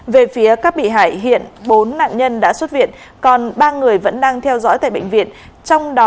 về phía các bị hại hiện bốn nạn nhân đã xuất viện còn ba người vẫn đang theo dõi tại bệnh viện